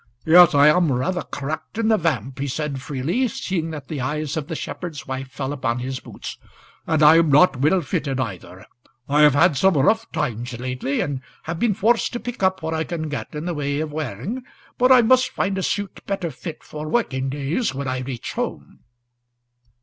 "Yes, I am rather thin in the vamp," he said, freely, seeing that the eyes of the shepherd's wife fell upon his boots, "and I am not well fitted, either. I have had some rough times lately, and have been forced to pick up what I can get in the way of wearing; but I must find a suit better fit for working days when I reach home."